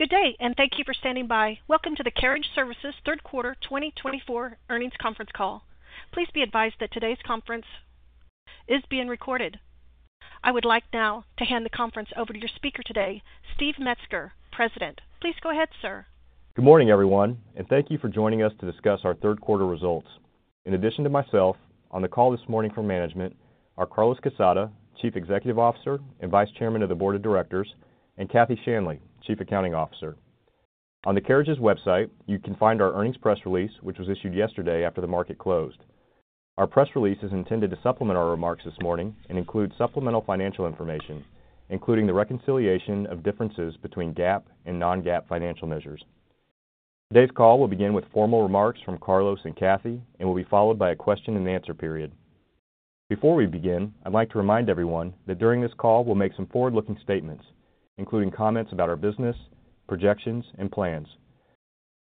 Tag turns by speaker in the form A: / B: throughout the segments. A: Good day, and thank you for standing by. Welcome to the Carriage Services Third Quarter 2024 earnings conference call. Please be advised that today's conference is being recorded. I would like now to hand the conference over to your speaker today, Steve Metzger, President. Please go ahead, sir.
B: Good morning, everyone, and thank you for joining us to discuss our third quarter results. In addition to myself, on the call this morning from management are Carlos Quezada, Chief Executive Officer and Vice Chairman of the Board of Directors, and Kathy Shanley, Chief Accounting Officer. On the Carriage's website, you can find our earnings press release, which was issued yesterday after the market closed. Our press release is intended to supplement our remarks this morning and include supplemental financial information, including the reconciliation of differences between GAAP and non-GAAP financial measures. Today's call will begin with formal remarks from Carlos and Kathy, and will be followed by a question-and-answer period. Before we begin, I'd like to remind everyone that during this call, we'll make some forward-looking statements, including comments about our business, projections, and plans.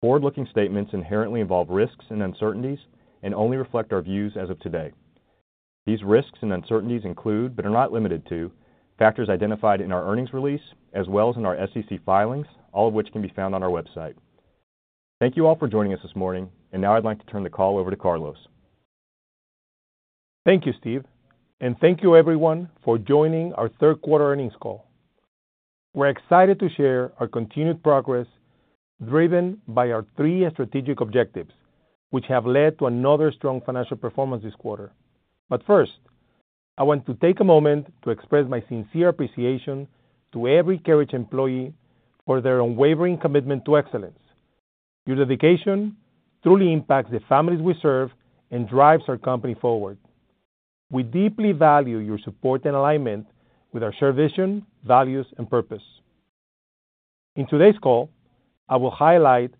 B: Forward-looking statements inherently involve risks and uncertainties and only reflect our views as of today. These risks and uncertainties include, but are not limited to, factors identified in our earnings release as well as in our SEC filings, all of which can be found on our website. Thank you all for joining us this morning, and now I'd like to turn the call over to Carlos.
C: Thank you, Steve, and thank you, everyone, for joining our third quarter earnings call. We're excited to share our continued progress driven by our three strategic objectives, which have led to another strong financial performance this quarter. But first, I want to take a moment to express my sincere appreciation to every Carriage employee for their unwavering commitment to excellence. Your dedication truly impacts the families we serve and drives our company forward. We deeply value your support and alignment with our shared vision, values, and purpose. In today's call, I will highlight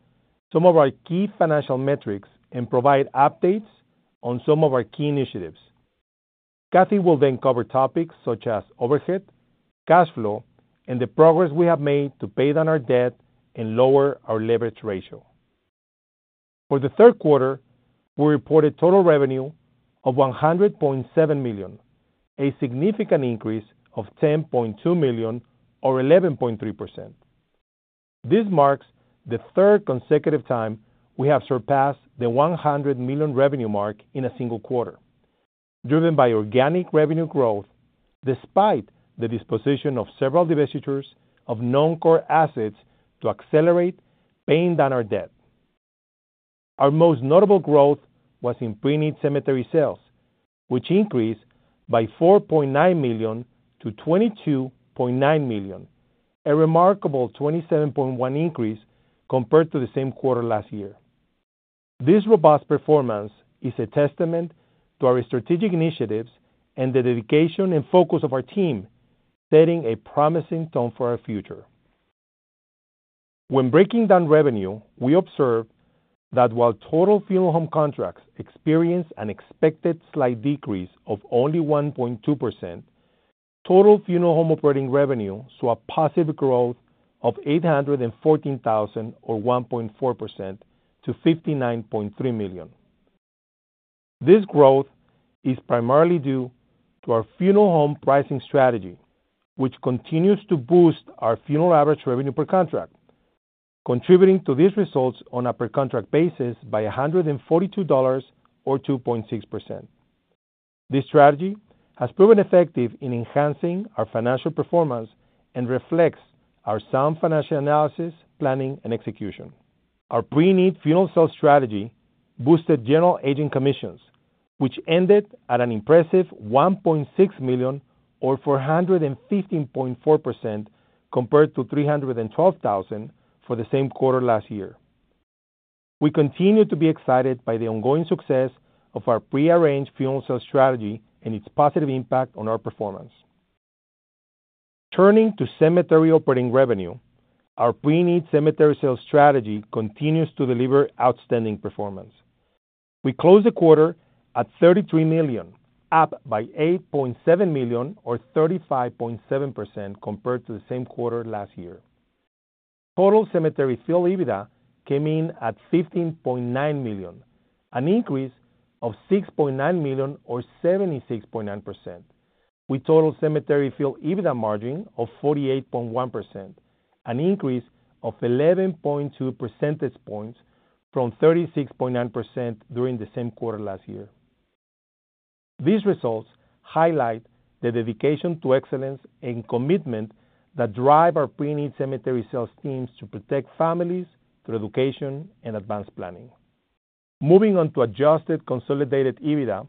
C: some of our key financial metrics and provide updates on some of our key initiatives. Kathy will then cover topics such as overhead, cash flow, and the progress we have made to pay down our debt and lower our leverage ratio. For the third quarter, we reported total revenue of $100.7 million, a significant increase of $10.2 million, or 11.3%. This marks the third consecutive time we have surpassed the $100 million revenue mark in a single quarter, driven by organic revenue growth despite the disposition of several divestitures of non-core assets to accelerate paying down our debt. Our most notable growth was in preneed cemetery sales, which increased by $4.9 million to $22.9 million, a remarkable $27.1 million increase compared to the same quarter last year. This robust performance is a testament to our strategic initiatives and the dedication and focus of our team, setting a promising tone for our future. When breaking down revenue, we observed that while total funeral home contracts experienced an expected slight decrease of only 1.2%, total funeral home operating revenue saw a positive growth of $814,000, or 1.4%, to $59.3 million. This growth is primarily due to our funeral home pricing strategy, which continues to boost our funeral average revenue per contract, contributing to these results on a per-contract basis by $142.00, or 2.6%. This strategy has proven effective in enhancing our financial performance and reflects our sound financial analysis, planning, and execution. Our preneed funeral sales strategy boosted general agent commissions, which ended at an impressive $1.6 million, or 415.4%, compared to $312,000 for the same quarter last year. We continue to be excited by the ongoing success of our prearranged funeral sales strategy and its positive impact on our performance. Turning to cemetery operating revenue, our preneed cemetery sales strategy continues to deliver outstanding performance. We closed the quarter at $33 million, up by $8.7 million, or 35.7%, compared to the same quarter last year. Total cemetery Field EBITDA came in at $15.9 million, an increase of $6.9 million, or 76.9%. Our total cemetery Field EBITDA margin of 48.1%, an increase of 11.2 percentage points from 36.9% during the same quarter last year. These results highlight the dedication to excellence and commitment that drive our preneed cemetery sales teams to protect families through education and advanced planning. Moving on to Adjusted Consolidated EBITDA,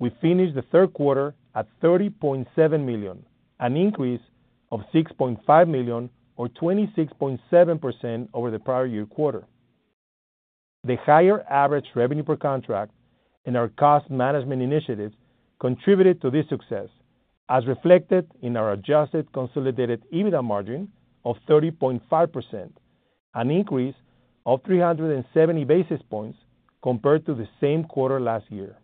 C: we finished the third quarter at $30.7 million, an increase of $6.5 million, or 26.7%, over the prior year quarter. The higher average revenue per contract and our cost management initiatives contributed to this success, as reflected in our Adjusted Consolidated EBITDA margin of 30.5%, an increase of 370 basis points compared to the same quarter last year.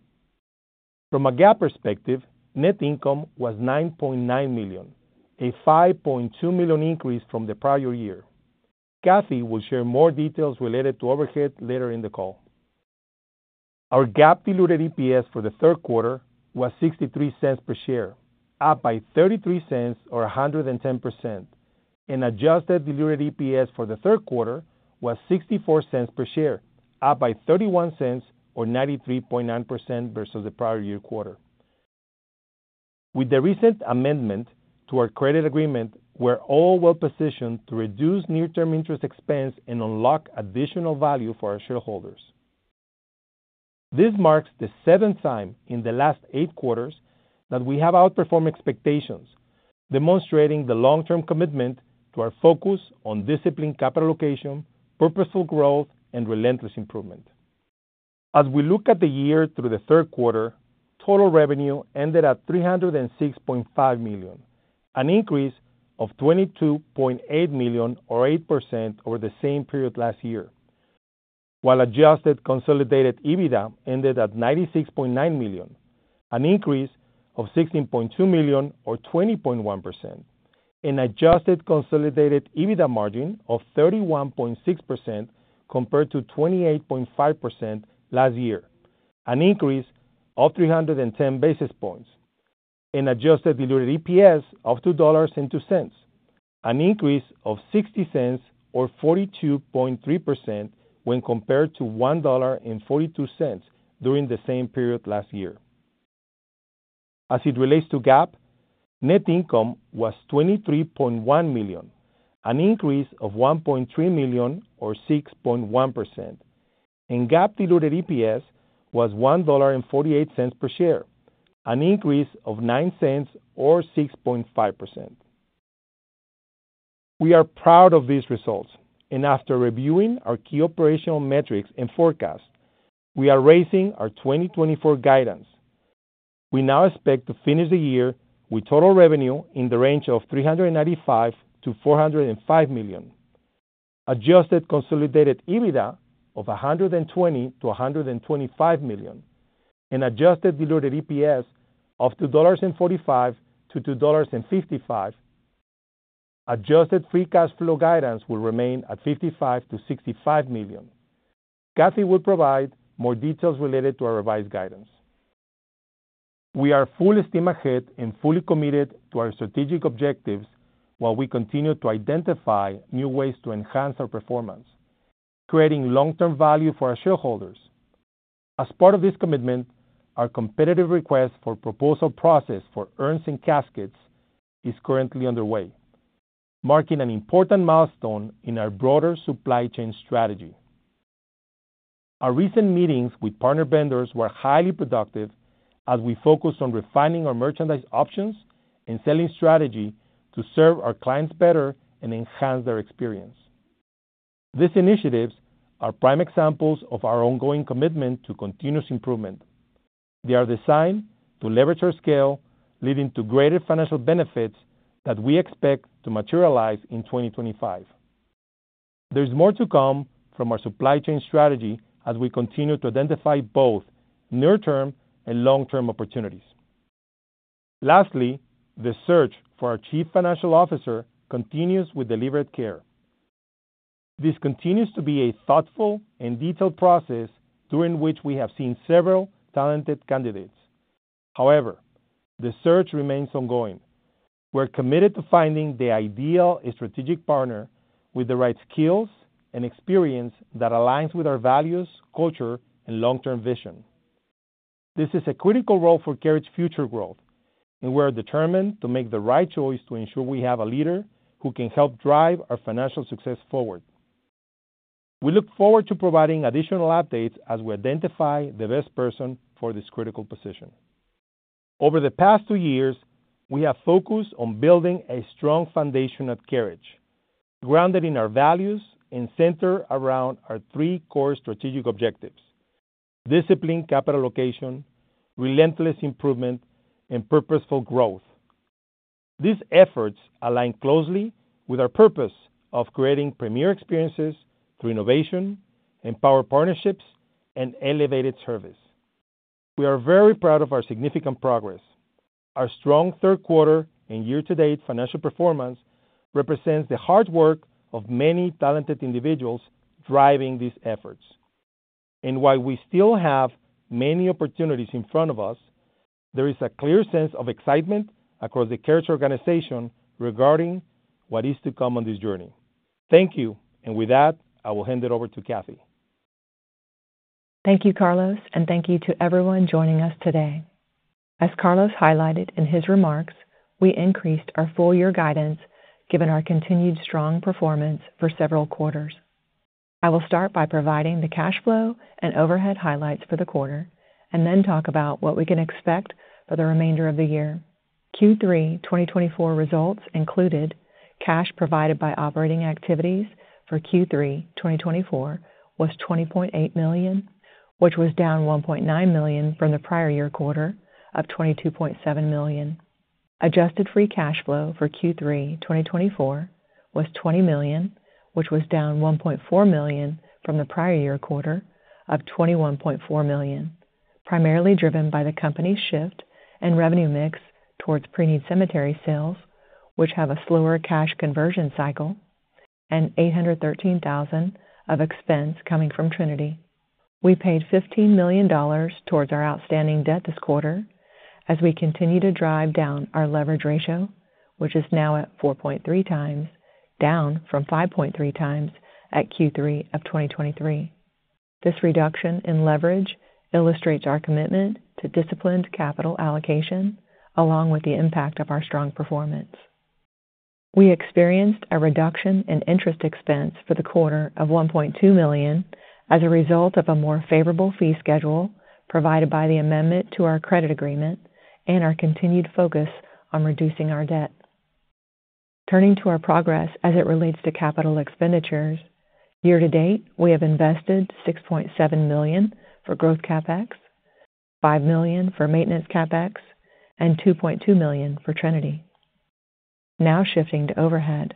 C: From a GAAP perspective, net income was $9.9 million, a $5.2 million increase from the prior year. Kathy will share more details related to overhead later in the call. Our GAAP diluted EPS for the third quarter was $0.63 per share, up by $0.33, or 110%, and Adjusted Diluted EPS for the third quarter was $0.64 per share, up by $0.31, or 93.9%, versus the prior year quarter. With the recent amendment to our credit agreement, we're all well-positioned to reduce near-term interest expense and unlock additional value for our shareholders. This marks the seventh time in the last eight quarters that we have outperformed expectations, demonstrating the long-term commitment to our focus on disciplined capital allocation, purposeful growth, and relentless improvement. As we look at the year through the third quarter, total revenue ended at $306.5 million, an increase of $22.8 million, or 8%, over the same period last year, while Adjusted Consolidated EBITDA ended at $96.9 million, an increase of $16.2 million, or 20.1%, and Adjusted Consolidated EBITDA margin of 31.6% compared to 28.5% last year, an increase of 310 basis points, and Adjusted Diluted EPS of $2.02, an increase of $0.60, or 42.3%, when compared to $1.42 during the same period last year. As it relates to GAAP, net income was $23.1 million, an increase of $1.3 million, or 6.1%, and GAAP Diluted EPS was $1.48 per share, an increase of $0.09, or 6.5%. We are proud of these results, and after reviewing our key operational metrics and forecast, we are raising our 2024 guidance. We now expect to finish the year with total revenue in the range of $395 million-$405 million, Adjusted Consolidated EBITDA of $120 million-$125 million, and Adjusted Diluted EPS of $2.45-$2.55. Adjusted Free Cash Flow guidance will remain at $55 million-$65 million. Kathy will provide more details related to our revised guidance. We are full steam ahead and fully committed to our strategic objectives while we continue to identify new ways to enhance our performance, creating long-term value for our shareholders. As part of this commitment, our competitive request for proposal process for urns and caskets is currently underway, marking an important milestone in our broader supply chain strategy. Our recent meetings with partner vendors were highly productive as we focused on refining our merchandise options and selling strategy to serve our clients better and enhance their experience. These initiatives are prime examples of our ongoing commitment to continuous improvement. They are designed to leverage our scale, leading to greater financial benefits that we expect to materialize in 2025. There's more to come from our supply chain strategy as we continue to identify both near-term and long-term opportunities. Lastly, the search for our Chief Financial Officer continues with deliberate care. This continues to be a thoughtful and detailed process during which we have seen several talented candidates. However, the search remains ongoing. We're committed to finding the ideal strategic partner with the right skills and experience that aligns with our values, culture, and long-term vision. This is a critical role for Carriage future growth, and we're determined to make the right choice to ensure we have a leader who can help drive our financial success forward. We look forward to providing additional updates as we identify the best person for this critical position. Over the past two years, we have focused on building a strong foundation at Carriage, grounded in our values and centered around our three core strategic objectives: disciplined capital allocation, relentless improvement, and purposeful growth. These efforts align closely with our purpose of creating premier experiences through innovation, Empowered Partnerships, and elevated service. We are very proud of our significant progress. Our strong third quarter and year-to-date financial performance represents the hard work of many talented individuals driving these efforts, and while we still have many opportunities in front of us, there is a clear sense of excitement across the Carriage organization regarding what is to come on this journey. Thank you, and with that, I will hand it over to Kathy.
D: Thank you, Carlos, and thank you to everyone joining us today. As Carlos highlighted in his remarks, we increased our full-year guidance given our continued strong performance for several quarters. I will start by providing the cash flow and overhead highlights for the quarter and then talk about what we can expect for the remainder of the year. Q3 2024 results included cash provided by operating activities for Q3 2024 was $20.8 million, which was down $1.9 million from the prior year quarter of $22.7 million. Adjusted Free Cash Flow for Q3 2024 was $20 million, which was down $1.4 million from the prior year quarter of $21.4 million, primarily driven by the company's shift and revenue mix towards preneed cemetery sales, which have a slower cash conversion cycle and $813,000 of expense coming from Trinity. We paid $15 million towards our outstanding debt this quarter as we continue to drive down our leverage ratio, which is now at 4.3 times, down from 5.3 times at Q3 of 2023. This reduction in leverage illustrates our commitment to disciplined capital allocation along with the impact of our strong performance. We experienced a reduction in interest expense for the quarter of $1.2 million as a result of a more favorable fee schedule provided by the amendment to our credit agreement and our continued focus on reducing our debt. Turning to our progress as it relates to capital expenditures, year-to-date, we have invested $6.7 million for growth CapEx, $5 million for maintenance CapEx, and $2.2 million for Trinity. Now shifting to overhead.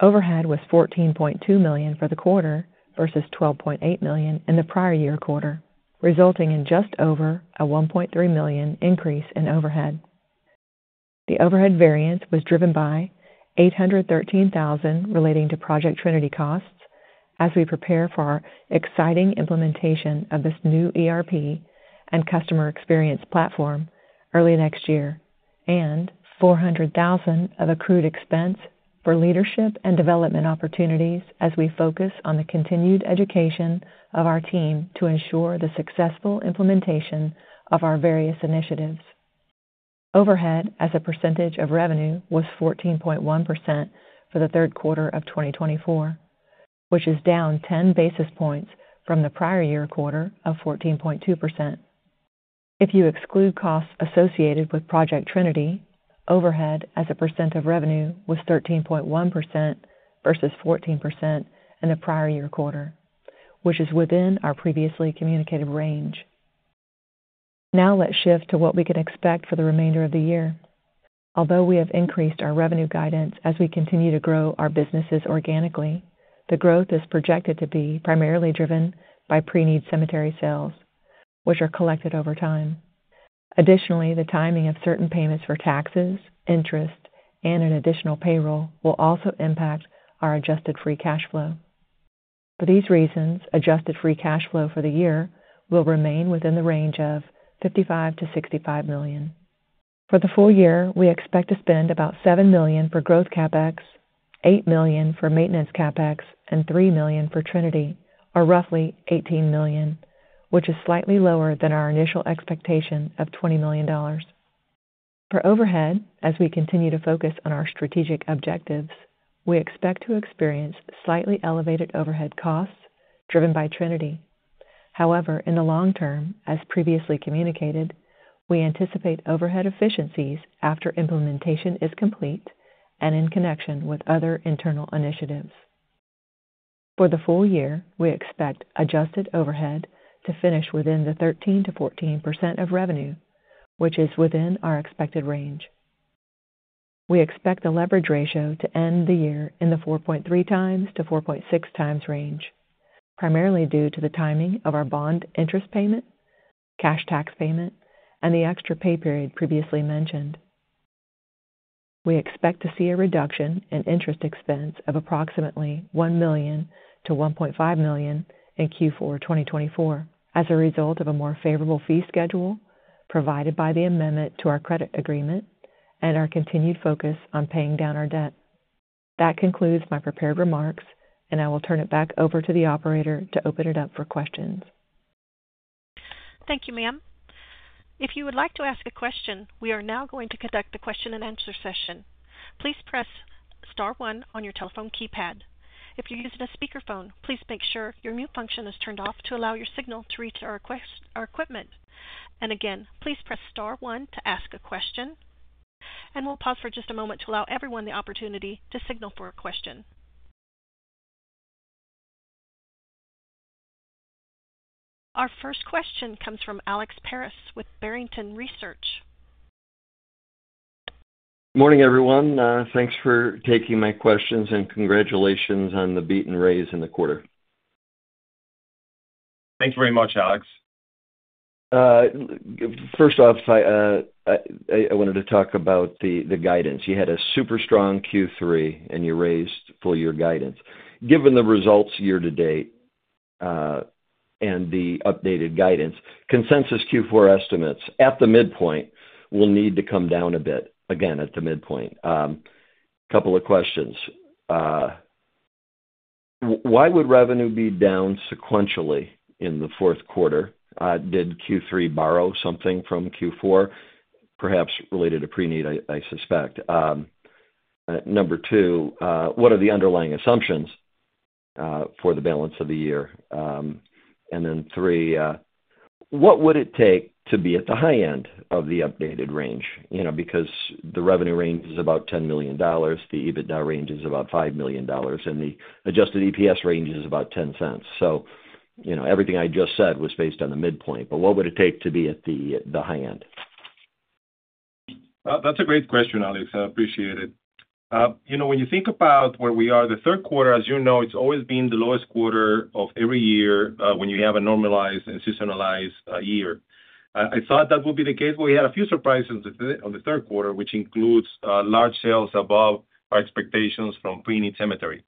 D: Overhead was $14.2 million for the quarter versus $12.8 million in the prior year quarter, resulting in just over a $1.3 million increase in overhead. The overhead variance was driven by $813,000 relating to Project Trinity costs as we prepare for our exciting implementation of this new ERP and customer experience platform early next year, and $400,000 of accrued expense for leadership and development opportunities as we focus on the continued education of our team to ensure the successful implementation of our various initiatives. Overhead as a percentage of revenue was 14.1% for the third quarter of 2024, which is down 10 basis points from the prior year quarter of 14.2%. If you exclude costs associated with Project Trinity, overhead as a percent of revenue was 13.1% versus 14% in the prior year quarter, which is within our previously communicated range. Now let's shift to what we can expect for the remainder of the year. Although we have increased our revenue guidance as we continue to grow our businesses organically, the growth is projected to be primarily driven by preneed cemetery sales, which are collected over time. Additionally, the timing of certain payments for taxes, interest, and an additional payroll will also impact our Adjusted Free Cash Flow. For these reasons, Adjusted Free Cash Flow for the year will remain within the range of $55 million to $65 million. For the full year, we expect to spend about $7 million for growth CapEx, $8 million for maintenance CapEx, and $3 million for Trinity, or roughly $18 million, which is slightly lower than our initial expectation of $20 million. Per overhead, as we continue to focus on our strategic objectives, we expect to experience slightly elevated overhead costs driven by Trinity. However, in the long term, as previously communicated, we anticipate overhead efficiencies after implementation is complete and in connection with other internal initiatives. For the full year, we expect adjusted overhead to finish within the 13%-14% of revenue, which is within our expected range. We expect the leverage ratio to end the year in the 4.3-4.6 times range, primarily due to the timing of our bond interest payment, cash tax payment, and the extra pay period previously mentioned. We expect to see a reduction in interest expense of approximately $1 million-$1.5 million in Q4 2024 as a result of a more favorable fee schedule provided by the amendment to our credit agreement and our continued focus on paying down our debt. That concludes my prepared remarks, and I will turn it back over to the operator to open it up for questions.
A: Thank you, ma'am. If you would like to ask a question, we are now going to conduct the question and answer session. Please press star one on your telephone keypad. If you're using a speakerphone, please make sure your mute function is turned off to allow your signal to reach our equipment. And again, please press star one to ask a question. And we'll pause for just a moment to allow everyone the opportunity to signal for a question. Our first question comes from Alex Paris with Barrington Research.
E: Morning, everyone. Thanks for taking my questions and congratulations on the beat and raise in the quarter.
C: Thank you very much, Alex.
E: First off, I wanted to talk about the guidance. You had a super strong Q3, and you raised full-year guidance. Given the results year-to-date and the updated guidance, consensus Q4 estimates at the midpoint will need to come down a bit again at the midpoint. A couple of questions. Why would revenue be down sequentially in the fourth quarter? Did Q3 borrow something from Q4, perhaps related to preneed, I suspect? Number two, what are the underlying assumptions for the balance of the year? And then three, what would it take to be at the high end of the updated range? Because the revenue range is about $10 million, the EBITDA range is about $5 million, and the adjusted EPS range is about $0.10. So everything I just said was based on the midpoint, but what would it take to be at the high end?
C: That's a great question, Alex. I appreciate it. When you think about where we are the third quarter, as you know, it's always been the lowest quarter of every year when you have a normalized and seasonalized year. I thought that would be the case, but we had a few surprises on the third quarter, which includes large sales above our expectations from preneed cemetery.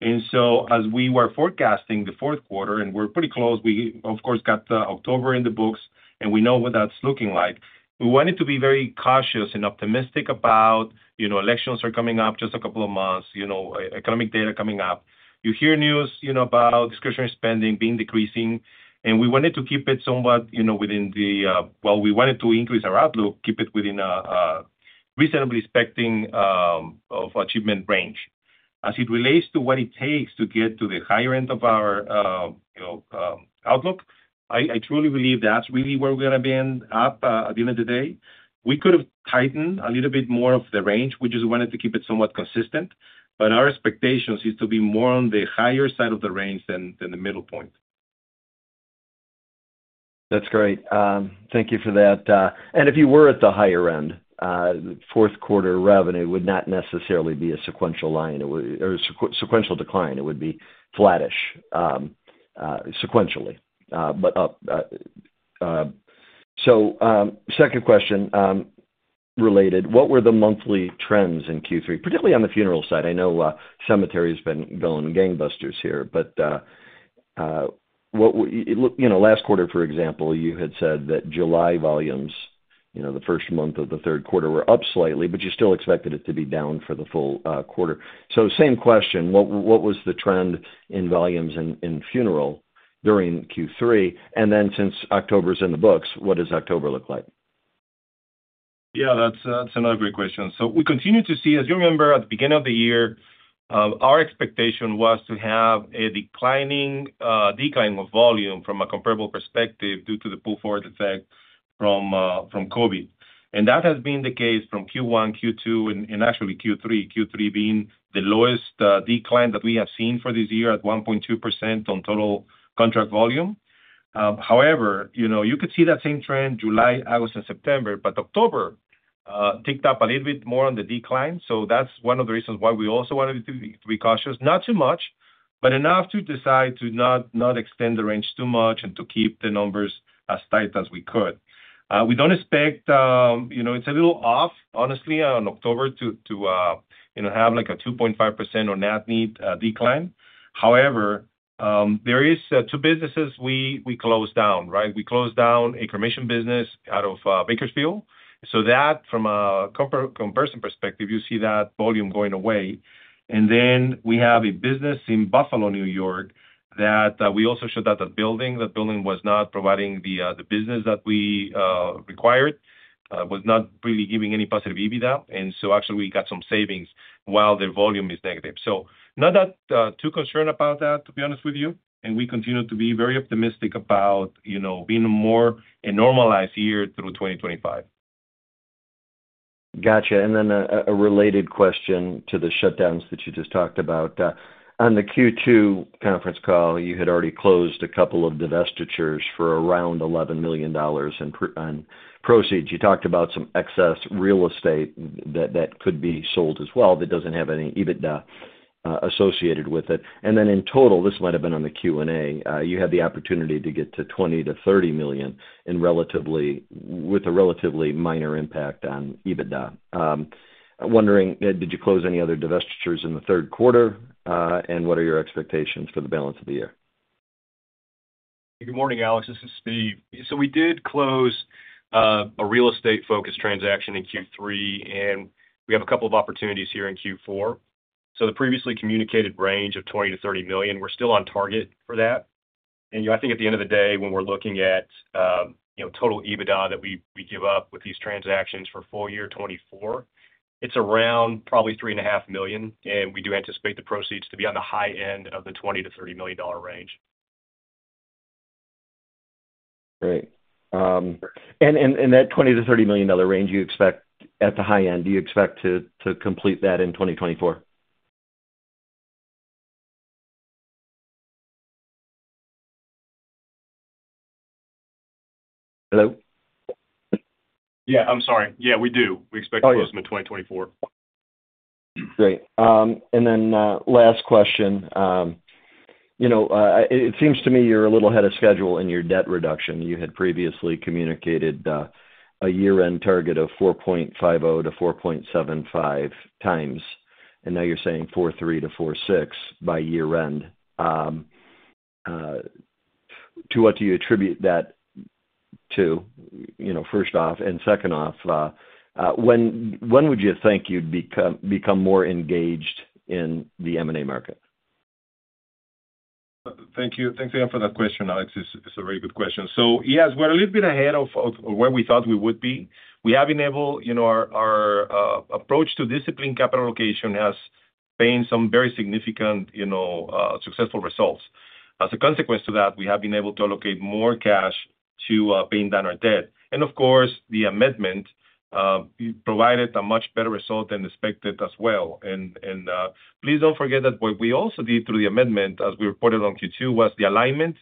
C: And so as we were forecasting the fourth quarter, and we're pretty close, we, of course, got October in the books, and we know what that's looking like. We wanted to be very cautious and optimistic about elections are coming up just a couple of months, economic data coming up. You hear news about discretionary spending being decreasing, and we wanted to keep it somewhat within the, well, we wanted to increase our outlook, keep it within a reasonably expecting of achievement range. As it relates to what it takes to get to the higher end of our outlook, I truly believe that's really where we're going to be up at the end of the day. We could have tightened a little bit more of the range. We just wanted to keep it somewhat consistent, but our expectations is to be more on the higher side of the range than the middle point.
E: That's great. Thank you for that. And if you were at the higher end, the fourth quarter revenue would not necessarily be a sequential line or a sequential decline. It would be flattish sequentially. So second question related, what were the monthly trends in Q3, particularly on the funeral side? I know cemetery has been going gangbusters here, but last quarter, for example, you had said that July volumes, the first month of the third quarter, were up slightly, but you still expected it to be down for the full quarter. So same question, what was the trend in volumes in funeral during Q3? And then since October is in the books, what does October look like?
C: Yeah, that's another great question. So we continue to see, as you remember, at the beginning of the year, our expectation was to have a declining volume from a comparable perspective due to the pull forward effect from COVID. And that has been the case from Q1, Q2, and actually Q3, Q3 being the lowest decline that we have seen for this year at 1.2% on total contract volume. However, you could see that same trend July, August, and September, but October ticked up a little bit more on the decline. So that's one of the reasons why we also wanted to be cautious. Not too much, but enough to decide to not extend the range too much and to keep the numbers as tight as we could. We don't expect, it's a little off, honestly, on October to have like a 2.5% on at-need decline. However, there are two businesses we closed down, right? We closed down a cremation business out of Bakersfield. So that, from a comparison perspective, you see that volume going away. And then we have a business in Buffalo, New York, that we also sold. The building was not providing the business that we required, was not really giving any positive EBITDA. And so actually, we got some savings while their volume is negative. So not too concerned about that, to be honest with you. And we continue to be very optimistic about being more a normalized year through 2025.
E: Gotcha. And then a related question to the shutdowns that you just talked about. On the Q2 conference call, you had already closed a couple of divestitures for around $11 million in proceeds. You talked about some excess real estate that could be sold as well that doesn't have any EBITDA associated with it. And then in total, this might have been on the Q&A, you had the opportunity to get to $20-$30 million with a relatively minor impact on EBITDA. Wondering, did you close any other divestitures in the third quarter? And what are your expectations for the balance of the year?
C: Good morning, Alex. This is Steve. So we did close a real estate-focused transaction in Q3, and we have a couple of opportunities here in Q4. So the previously communicated range of $20 million-$30 million, we're still on target for that. And I think at the end of the day, when we're looking at total EBITDA that we give up with these transactions for full year 2024, it's around probably $3.5 million, and we do anticipate the proceeds to be on the high end of the $20 million-$30 million range.
E: Great. And that $20 million-$30 million range you expect at the high end, do you expect to complete that in 2024? Hello?
C: Yeah, I'm sorry. Yeah, we do. We expect to close in 2024.
E: Great. And then last question. It seems to me you're a little ahead of schedule in your debt reduction. You had previously communicated a year-end target of 4.50-4.75 times, and now you're saying 4.3-4.6 by year-end. To what do you attribute that to, first off, and second off, when would you think you'd become more engaged in the M&A market?
C: Thank you. Thanks again for that question, Alex. It's a very good question, so yes, we're a little bit ahead of where we thought we would be. We have been able our approach to disciplined capital allocation has been some very significant successful results. As a consequence to that, we have been able to allocate more cash to paying down our debt, and of course, the amendment provided a much better result than expected as well, and please don't forget that what we also did through the amendment, as we reported on Q2, was the alignment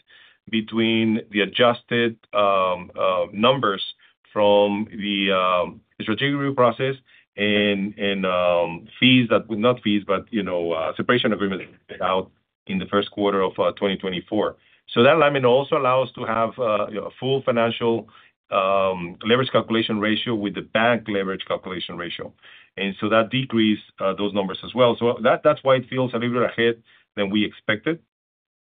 C: between the adjusted numbers from the strategic review process and fees that were not fees, but separation agreements out in the first quarter of 2024, so that alignment also allows us to have a full financial leverage calculation ratio with the bank leverage calculation ratio, and so that decreased those numbers as well. So that's why it feels a little bit ahead than we expected.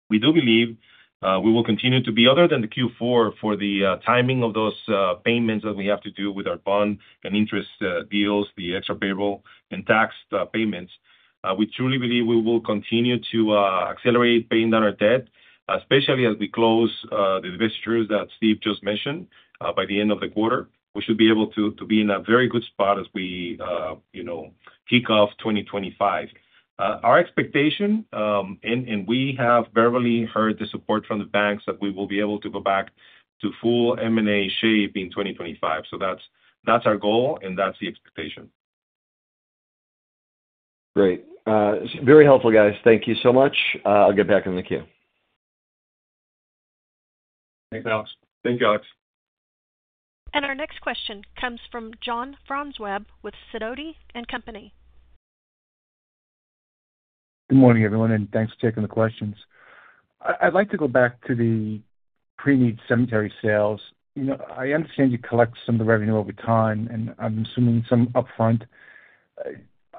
C: We do believe we will continue to be other than the Q4 for the timing of those payments that we have to do with our bond and interest deals, the extra payable and tax payments. We truly believe we will continue to accelerate paying down our debt, especially as we close the divestitures that Steve just mentioned by the end of the quarter. We should be able to be in a very good spot as we kick off 2025. Our expectation, and we have verbally heard the support from the banks that we will be able to go back to full M&A shape in 2025. So that's our goal, and that's the expectation.
E: Great. Very helpful, guys. Thank you so much. I'll get back in the queue.
C: Thanks, Alex. Thank you, Alex.
A: Our next question comes from John Franzreb with Sidoti & Company.
F: Good morning, everyone, and thanks for taking the questions. I'd like to go back to the preneed cemetery sales. I understand you collect some of the revenue over time, and I'm assuming some upfront.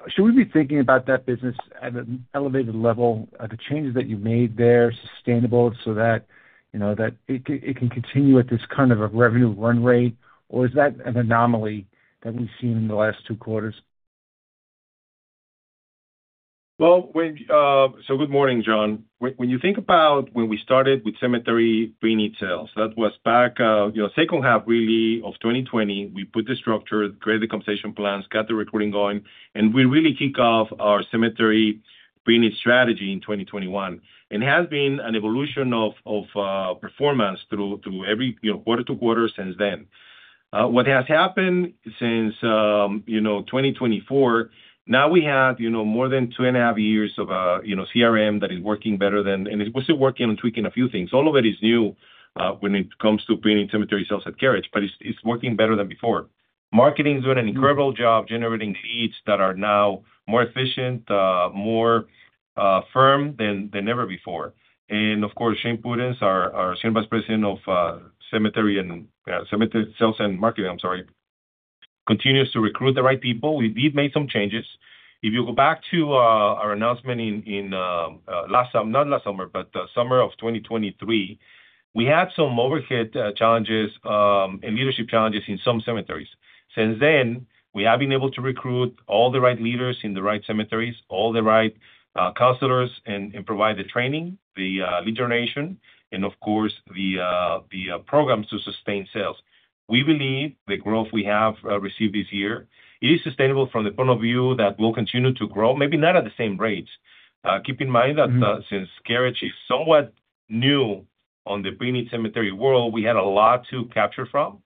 F: Should we be thinking about that business at an elevated level, the changes that you made there, sustainable so that it can continue at this kind of a revenue run rate, or is that an anomaly that we've seen in the last two quarters?
C: So good morning, John. When you think about when we started with cemetery preneed sales, that was back second half, really, of 2020. We put the structure, created the compensation plans, got the recruiting going, and we really kicked off our cemetery preneed strategy in 2021. It has been an evolution of performance through every quarter to quarter since then. What has happened since 2024? Now we have more than two and a half years of CRM that is working better than, and it wasn't working on tweaking a few things. All of it is new when it comes to preneed cemetery sales at Carriage, but it's working better than before. Marketing is doing an incredible job generating leads that are now more efficient, more firm than ever before. Of course, Shane Pudenz, our senior vice president of cemetery and cemetery sales and marketing, I'm sorry, continues to recruit the right people. We did make some changes. If you go back to our announcement in last summer, not last summer, but the summer of 2023, we had some overhead challenges and leadership challenges in some cemeteries. Since then, we have been able to recruit all the right leaders in the right cemeteries, all the right counselors, and provide the training, the lead generation, and of course, the programs to sustain sales. We believe the growth we have received this year is sustainable from the point of view that we'll continue to grow, maybe not at the same rates. Keep in mind that since Carriage is somewhat new on the preneed cemetery world, we had a lot to capture from.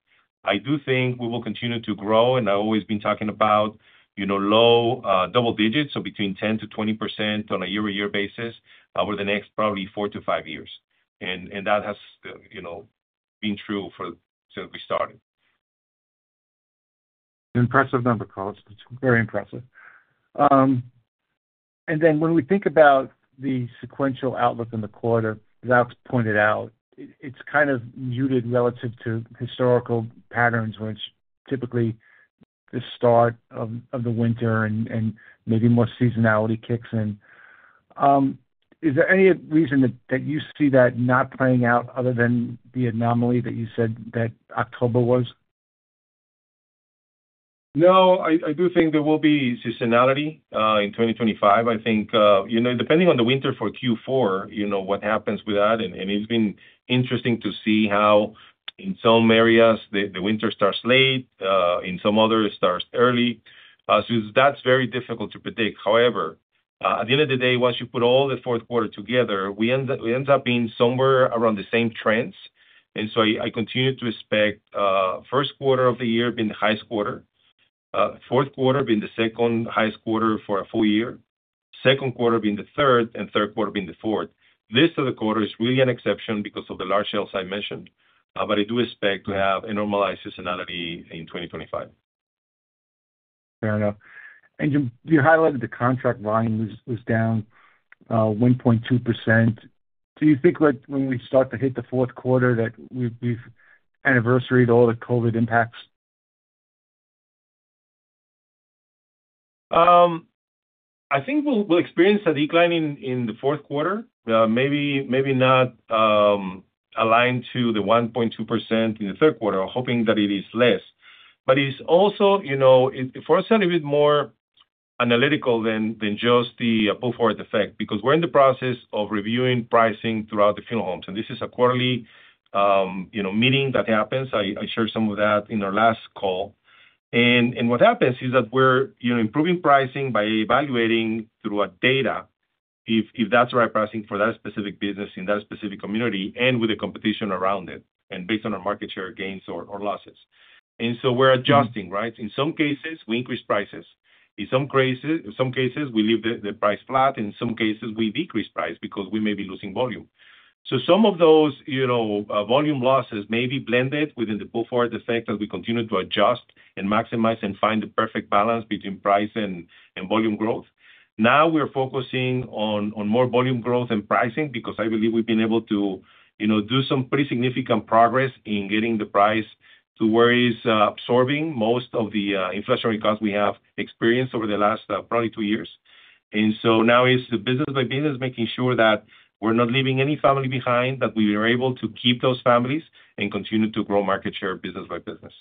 C: I do think we will continue to grow, and I've always been talking about low double digits, so between 10%-20% on a year-to-year basis over the next probably four to five years, and that has been true since we started.
F: Impressive number, Carlos. It's very impressive. And then when we think about the sequential outlook in the quarter, as Alex pointed out, it's kind of muted relative to historical patterns, which typically the start of the winter and maybe more seasonality kicks in. Is there any reason that you see that not playing out other than the anomaly that you said that October was?
C: No, I do think there will be seasonality in 2025. I think depending on the winter for Q4, what happens with that, and it's been interesting to see how in some areas the winter starts late, in some others starts early. So that's very difficult to predict. However, at the end of the day, once you put all the fourth quarter together, we end up being somewhere around the same trends. And so I continue to expect first quarter of the year being the highest quarter, fourth quarter being the second highest quarter for a full year, second quarter being the third, and third quarter being the fourth. This other quarter is really an exception because of the large sales I mentioned, but I do expect to have a normalized seasonality in 2025.
F: Fair enough, and you highlighted the contract volume was down 1.2%. Do you think when we start to hit the fourth quarter that we've anniversaried all the COVID impacts?
C: I think we'll experience a decline in the fourth quarter, maybe not aligned to the 1.2% in the third quarter. I'm hoping that it is less, but it's also for us a little bit more analytical than just the pull forward effect because we're in the process of reviewing pricing throughout the funeral homes, and this is a quarterly meeting that happens. I shared some of that in our last call, and what happens is that we're improving pricing by evaluating through our data if that's the right pricing for that specific business in that specific community and with the competition around it and based on our market share gains or losses, and so we're adjusting, right? In some cases, we increase prices. In some cases, we leave the price flat. In some cases, we decrease price because we may be losing volume. So some of those volume losses may be blended within the pull forward effect as we continue to adjust and maximize and find the perfect balance between price and volume growth. Now we're focusing on more volume growth and pricing because I believe we've been able to do some pretty significant progress in getting the price to where it's absorbing most of the inflationary costs we have experienced over the last probably two years. And so now it's the business by business, making sure that we're not leaving any family behind, that we are able to keep those families and continue to grow market share business by business.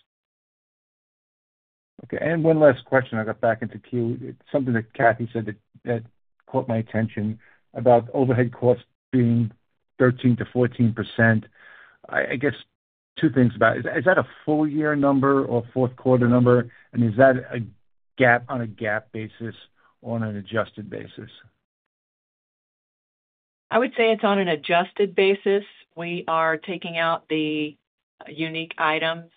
F: Okay. And one last question. I got back into queue. Something that Kathy said that caught my attention about overhead costs being 13%-14%. I guess two things about it. Is that a full year number or a fourth quarter number? And is that GAAP on a GAAP basis or on an adjusted basis?
D: I would say it's on an adjusted basis. We are taking out the unique items,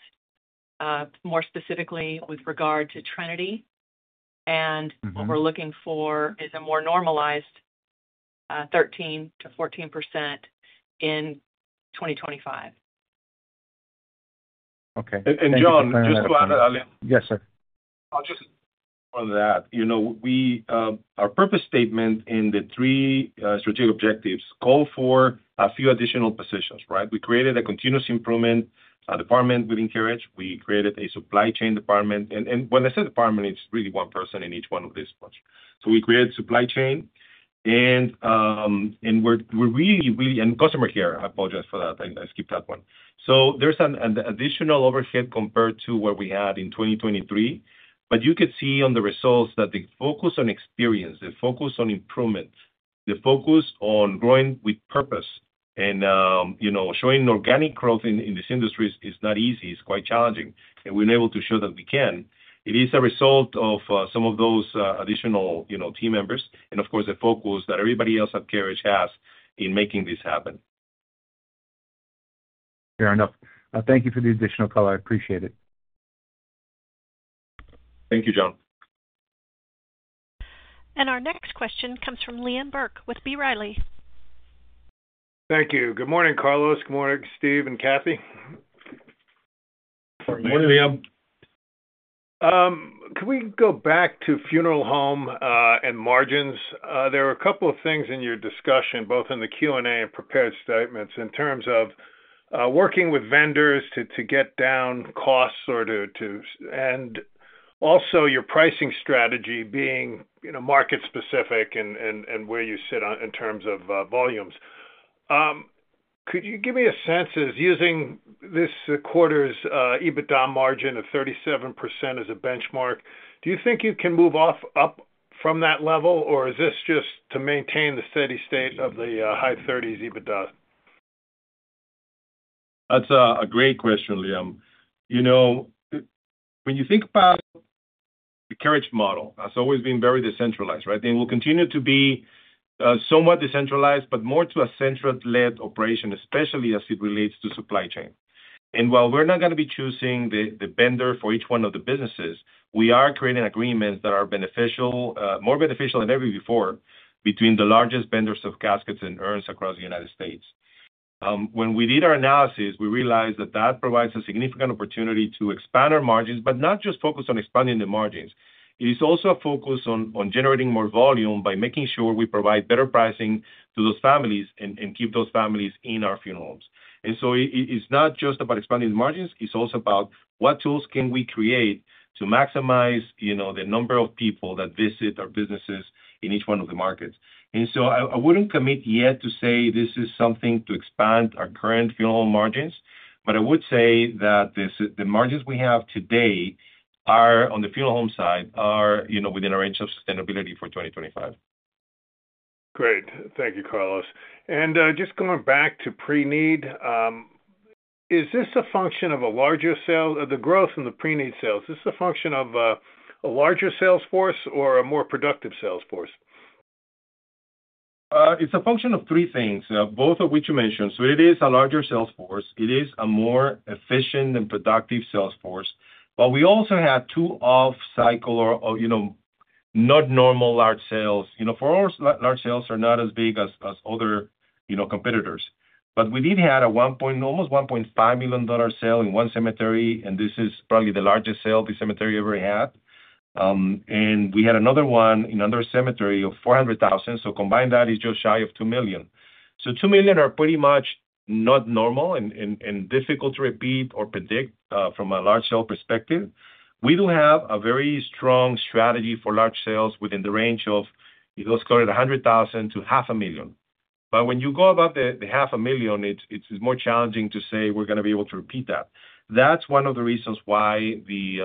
D: more specifically with regard to Trinity. And what we're looking for is a more normalized 13%-14% in 2025.
B: Okay. And John, just to add, Alex.
E: Yes, sir.
B: I'll just add on that. Our purpose statement in the three strategic objectives called for a few additional positions, right? We created a continuous improvement department within Carriage. We created a supply chain department, and when I say department, it's really one person in each one of these ones. So we created supply chain, and we're really, really, and customer care. I apologize for that. I skipped that one. So there's an additional overhead compared to what we had in 2023, but you could see on the results that the focus on experience, the focus on improvement, the focus on growing with purpose and showing organic growth in these industries is not easy. It's quite challenging, and we're able to show that we can. It is a result of some of those additional team members, and of course, the focus that everybody else at Carriage has in making this happen.
F: Fair enough. Thank you for the additional color. I appreciate it.
C: Thank you, John.
A: Our next question comes from Liam Burke with B. Riley.
G: Thank you. Good morning, Carlos. Good morning, Steve and Kathy.
E: Good morning, Liam.
G: Can we go back to funeral home and margins? There are a couple of things in your discussion, both in the Q&A and prepared statements in terms of working with vendors to get down costs or to, and also your pricing strategy being market-specific and where you sit in terms of volumes. Could you give me a sense as using this quarter's EBITDA margin of 37% as a benchmark, do you think you can move up from that level, or is this just to maintain the steady state of the high 30s EBITDA?
C: That's a great question, Liam. When you think about the Carriage model, it's always been very decentralized, right? And we'll continue to be somewhat decentralized, but more to a centralized operation, especially as it relates to supply chain. And while we're not going to be choosing the vendor for each one of the businesses, we are creating agreements that are more beneficial than ever before between the largest vendors of caskets and urns across the United States. When we did our analysis, we realized that that provides a significant opportunity to expand our margins, but not just focus on expanding the margins. It is also a focus on generating more volume by making sure we provide better pricing to those families and keep those families in our funeral homes. And so it's not just about expanding the margins. It's also about what tools can we create to maximize the number of people that visit our businesses in each one of the markets, and so I wouldn't commit yet to say this is something to expand our current funeral home margins, but I would say that the margins we have today on the funeral home side are within a range of sustainability for 2025.
G: Great. Thank you, Carlos. And just going back to preneed, is this a function of a larger sale? The growth in the preneed sales, is this a function of a larger sales force or a more productive sales force?
C: It's a function of three things, both of which you mentioned. So it is a larger sales force. It is a more efficient and productive sales force. But we also had two off-cycle or not normal large sales. For us, large sales are not as big as other competitors. But we did have an almost $1.5 million sale in one cemetery, and this is probably the largest sale the cemetery ever had. And we had another one in another cemetery of $400,000. So combined, that is just shy of $2 million. So $2 million are pretty much not normal and difficult to repeat or predict from a large sale perspective. We do have a very strong strategy for large sales within the range of, let's call it, $100,000-$500,000. But when you go above $500,000, it's more challenging to say we're going to be able to repeat that. That's one of the reasons why the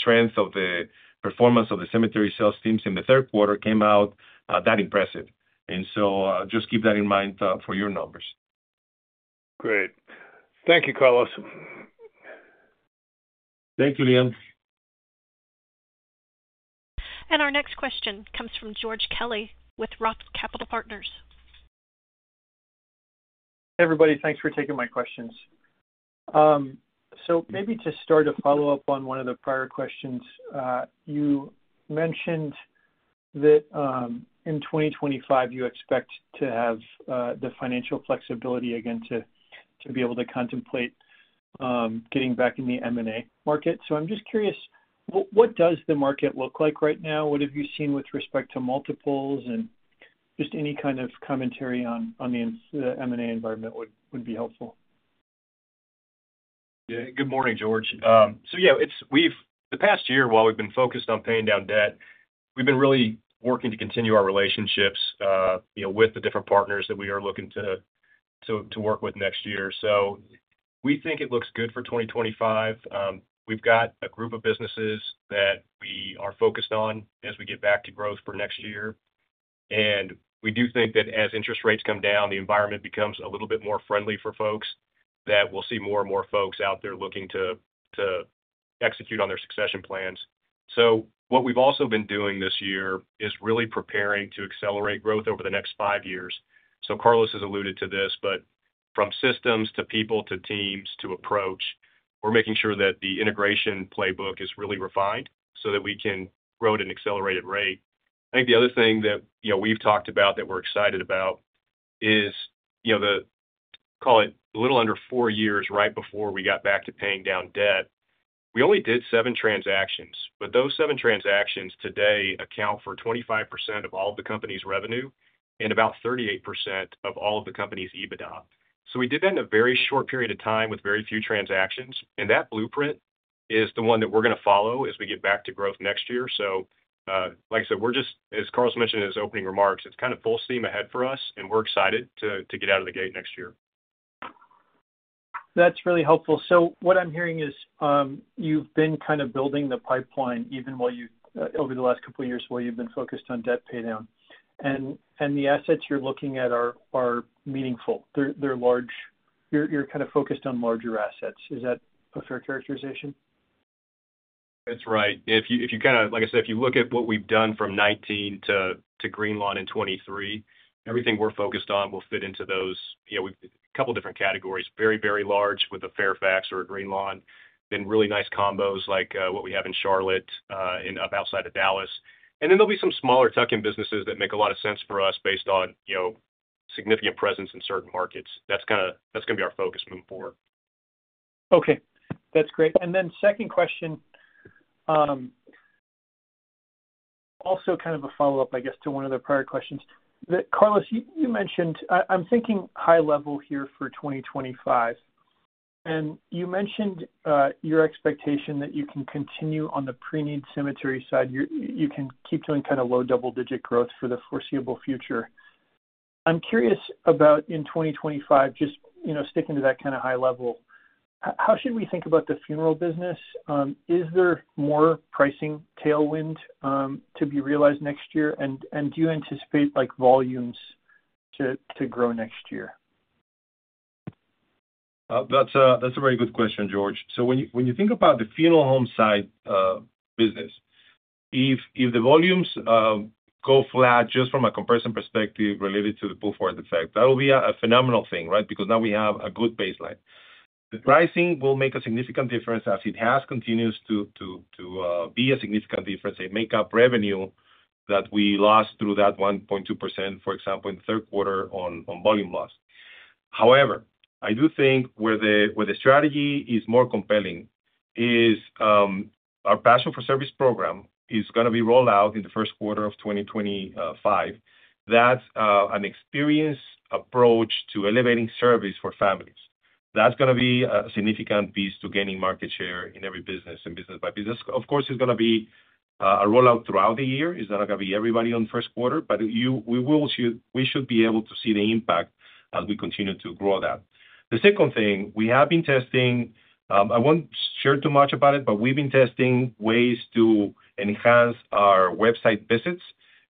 C: strength of the performance of the cemetery sales teams in the third quarter came out that impressive. And so just keep that in mind for your numbers.
G: Great. Thank you, Carlos.
C: Thank you, Liam.
A: Our next question comes from George Kelly with Roth Capital Partners.
H: Hey, everybody. Thanks for taking my questions. So maybe to start a follow-up on one of the prior questions, you mentioned that in 2025, you expect to have the financial flexibility again to be able to contemplate getting back in the M&A market. So I'm just curious, what does the market look like right now? What have you seen with respect to multiples? And just any kind of commentary on the M&A environment would be helpful.
C: Yeah. Good morning, George. So yeah, the past year, while we've been focused on paying down debt, we've been really working to continue our relationships with the different partners that we are looking to work with next year. So we think it looks good for 2025. We've got a group of businesses that we are focused on as we get back to growth for next year. And we do think that as interest rates come down, the environment becomes a little bit more friendly for folks that we'll see more and more folks out there looking to execute on their succession plans. So what we've also been doing this year is really preparing to accelerate growth over the next five years. So Carlos has alluded to this, but from systems to people to teams to approach, we're making sure that the integration playbook is really refined so that we can grow at an accelerated rate. I think the other thing that we've talked about that we're excited about is the, call it, a little under four years right before we got back to paying down debt. We only did seven transactions, but those seven transactions today account for 25% of all of the company's revenue and about 38% of all of the company's EBITDA. So we did that in a very short period of time with very few transactions. And that blueprint is the one that we're going to follow as we get back to growth next year. Like I said, we're just, as Carlos mentioned in his opening remarks, it's kind of full steam ahead for us, and we're excited to get out of the gate next year.
H: That's really helpful. So what I'm hearing is you've been kind of building the pipeline even over the last couple of years while you've been focused on debt paydown. And the assets you're looking at are meaningful. You're kind of focused on larger assets. Is that a fair characterization?
C: That's right. Like I said, if you look at what we've done from 2019 to Greenlawn in 2023, everything we're focused on will fit into those. We've a couple of different categories: very, very large with a Fairfax or a Greenlawn, then really nice combos like what we have in Charlotte and up outside of Dallas, and then there'll be some smaller tuck-in businesses that make a lot of sense for us based on significant presence in certain markets. That's going to be our focus moving forward.
H: Okay. That's great. And then second question, also kind of a follow-up, I guess, to one of the prior questions. Carlos, you mentioned I'm thinking high level here for 2025. And you mentioned your expectation that you can continue on the preneed cemetery side. You can keep doing kind of low double-digit growth for the foreseeable future. I'm curious about in 2025, just sticking to that kind of high level, how should we think about the funeral business? Is there more pricing tailwind to be realized next year? And do you anticipate volumes to grow next year?
C: That's a very good question, George. So when you think about the funeral home side business, if the volumes go flat just from a comparison perspective related to the pull forward effect, that will be a phenomenal thing, right? Because now we have a good baseline. The pricing will make a significant difference as it has continued to be a significant difference and make up revenue that we lost through that 1.2%, for example, in the third quarter on volume loss. However, I do think where the strategy is more compelling is our Passion for Service program is going to be rolled out in the first quarter of 2025. That's an experienced approach to elevating service for families. That's going to be a significant piece to gaining market share in every business and business by business. Of course, it's going to be a rollout throughout the year. It's not going to be everybody in the first quarter, but we should be able to see the impact as we continue to grow that. The second thing, we have been testing. I won't share too much about it, but we've been testing ways to enhance our website visits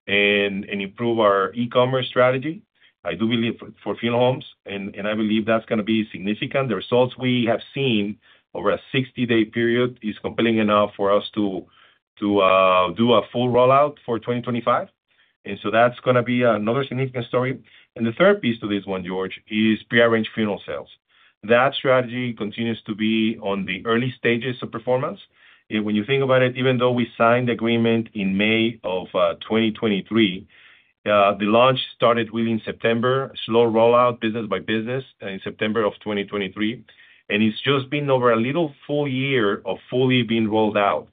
C: and improve our e-commerce strategy, I do believe, for funeral homes, and I believe that's going to be significant. The results we have seen over a 60-day period are compelling enough for us to do a full rollout for 2025, and so that's going to be another significant story, and the third piece to this one, George, is prearranged funeral sales. That strategy continues to be on the early stages of performance. And when you think about it, even though we signed the agreement in May of 2023, the launch started really in September, slow rollout business by business in September of 2023. And it's just been over a little full year of fully being rolled out.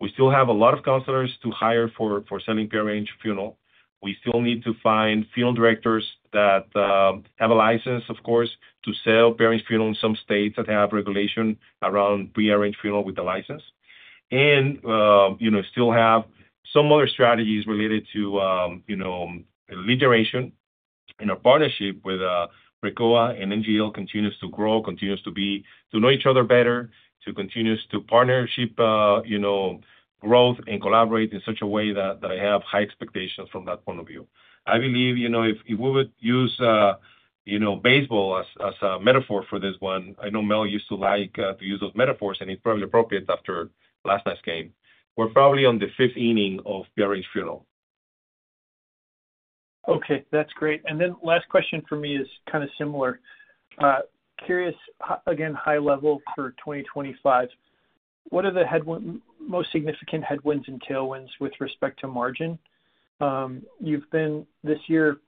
C: We still have a lot of counselors to hire for selling prearranged funeral. We still need to find funeral directors that have a license, of course, to sell prearranged funeral in some states that have regulation around prearranged funeral with the license. And still have some other strategies related to leader relation. And our partnership with Precoa and NGL continues to grow, continues to know each other better, to continue to partnership growth and collaborate in such a way that I have high expectations from that point of view. I believe if we would use baseball as a metaphor for this one, I know Mel used to like to use those metaphors, and it's probably appropriate after last night's game. We're probably on the fifth inning of prearranged funeral.
H: Okay. That's great. And then last question for me is kind of similar. Curious, again, high level for 2025, what are the most significant headwinds and tailwinds with respect to margin? You've been this year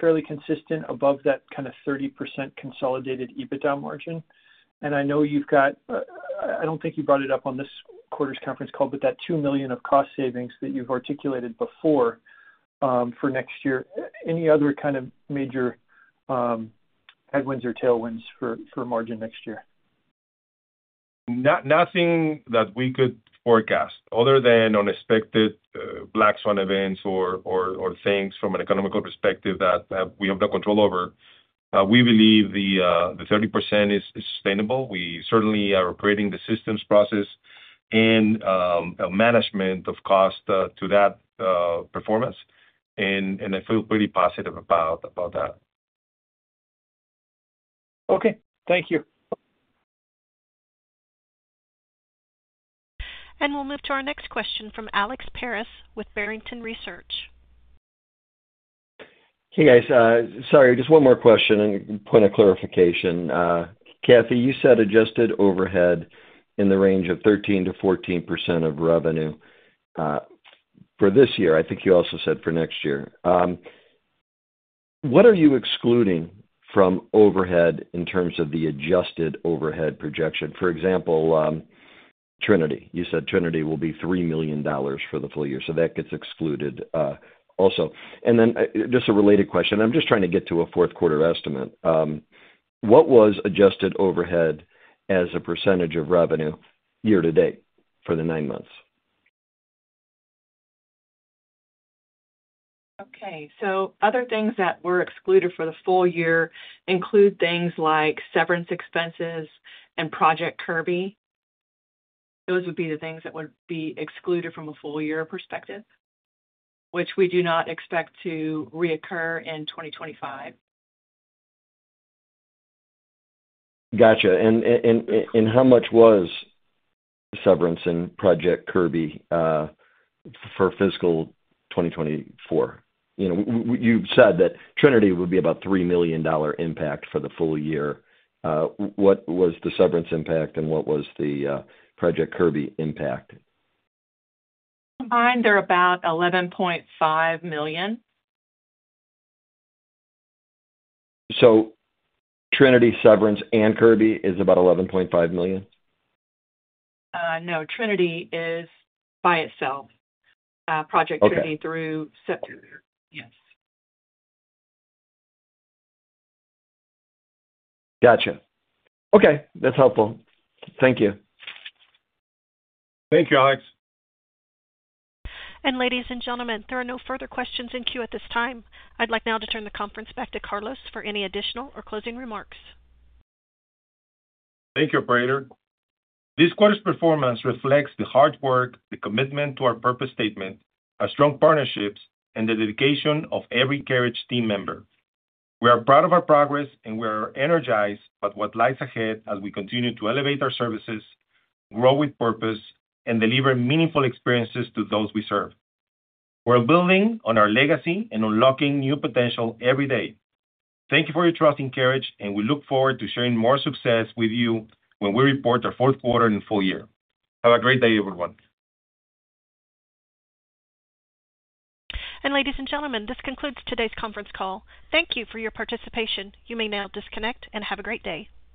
H: fairly consistent above that kind of 30% consolidated EBITDA margin. And I know you've got, I don't think you brought it up on this quarter's conference call, but that $2 million of cost savings that you've articulated before for next year. Any other kind of major headwinds or tailwinds for margin next year?
C: Nothing that we could forecast other than unexpected black swan events or things from an economic perspective that we have no control over. We believe the 30% is sustainable. We certainly are upgrading the systems process and management of cost to that performance, and I feel pretty positive about that.
H: Okay. Thank you.
A: We'll move to our next question from Alex Paris with Barrington Research.
E: Hey, guys. Sorry, just one more question and point of clarification. Kathy, you said adjusted overhead in the range of 13%-14% of revenue for this year. I think you also said for next year. What are you excluding from overhead in terms of the adjusted overhead projection? For example, Trinity. You said Trinity will be $3 million for the full year. So that gets excluded also. And then just a related question. I'm just trying to get to a fourth quarter estimate. What was adjusted overhead as a percentage of revenue year to date for the nine months?
D: Okay, so other things that were excluded for the full year include things like severance expenses and Project Kirby. Those would be the things that would be excluded from a full year perspective, which we do not expect to reoccur in 2025.
E: Gotcha. And how much was severance and Project Kirby for fiscal 2024? You've said that Trinity would be about $3 million impact for the full year. What was the severance impact and what was the Project Kirby impact?
D: Combined, they're about $11.5 million.
E: So Trinity severance and Kirby is about $11.5 million?
D: No. Trinity is by itself, Project Kirby through September. Yes.
E: Gotcha. Okay. That's helpful. Thank you.
C: Thank you, Alex.
A: Ladies and gentlemen, there are no further questions in queue at this time. I'd like now to turn the conference back to Carlos for any additional or closing remarks.
C: Thank you, Operator. This quarter's performance reflects the hard work, the commitment to our purpose statement, our strong partnerships, and the dedication of every Carriage team member. We are proud of our progress, and we are energized about what lies ahead as we continue to elevate our services, grow with purpose, and deliver meaningful experiences to those we serve. We're building on our legacy and unlocking new potential every day. Thank you for your trust in Carriage, and we look forward to sharing more success with you when we report our fourth quarter and full year. Have a great day, everyone.
A: Ladies and gentlemen, this concludes today's conference call. Thank you for your participation. You may now disconnect and have a great day.